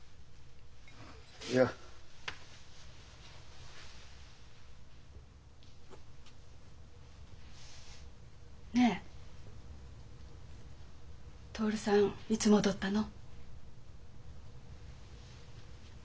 いや。ねえ徹さんいつ戻ったの？